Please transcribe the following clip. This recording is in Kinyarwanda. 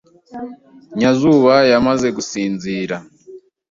Nyazuba yamaze gusinzira.